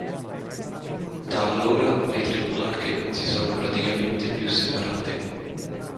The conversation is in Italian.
Da allora le tre placche non si sono praticamente più separate.